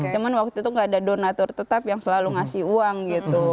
cuma waktu itu gak ada donatur tetap yang selalu ngasih uang gitu